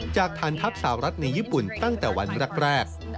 จากฐานทัพสาวรัฐในญี่ปุ่นตั้งแต่วันแรก